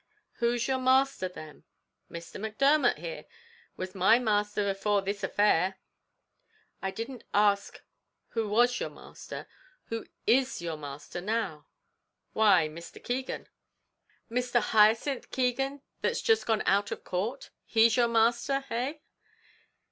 "Who's your master then?" "Mr. Macdermot here was my masther afore this affair." "I didn't ask who was your master; who is your master now?" "Why, Mr. Keegan." "Mr. Hyacinth Keegan, that's just gone out of court; he's your master, eh?"